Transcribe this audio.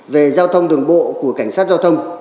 về giao thông đường bộ của cảnh sát giao thông